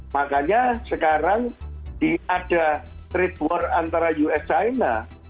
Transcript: makanya sekarang ada trade war antara us china